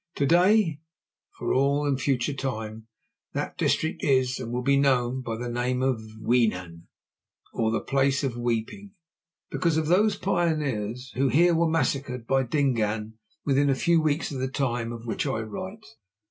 To day, and for all future time, that district is and will be known by the name of Weenen, or the Place of Weeping, because of those pioneers who here were massacred by Dingaan within a few weeks of the time of which I write.